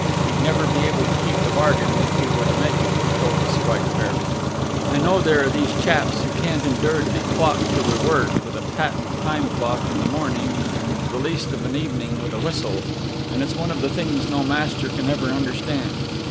He'd never be able to keep the bargain if he were to make it, he told us quite fairly. I know there are these chaps who can't endure to be clocked to their work with a patent time clock in the morning and released of an evening with a whistle and it's one of the things no master can ever understand.